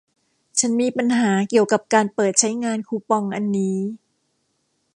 ฉันมีปัญหาเกี่ยวกับการเปิดใช้งานคูปองอันนี้